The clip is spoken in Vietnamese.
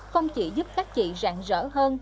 không chỉ giúp các chị rạn rỡ hơn